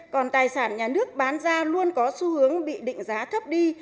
còn tài sản nhà nước bán ra luôn có xu hướng bị định giá thấp đi